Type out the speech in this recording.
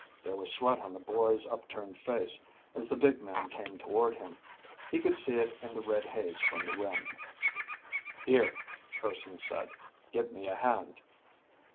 There was sweat on the boy's up turned face as the big man came toward him. He could see it in the red haze from the rim. "Here," Urson said. "Give me a hand."